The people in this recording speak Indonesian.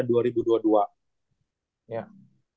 dimana waktu itu kita udah siapin tuh jakarta bali jepang indonesia gitu ya